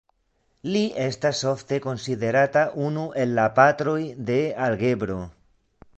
Li estas ofte konsiderata unu el la patroj de algebro.